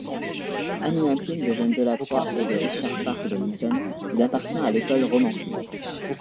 Ami intime d'Eugène Delacroix et de Richard Parkes Bonington, il appartient à l'École romantique.